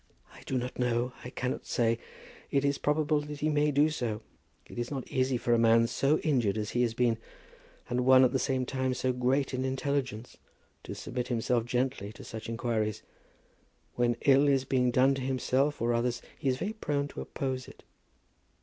"I do not know. I cannot say. It is probable that he may do so. It is not easy for a man so injured as he has been, and one at the same time so great in intelligence, to submit himself gently to such inquiries. When ill is being done to himself or others he is very prone to oppose it."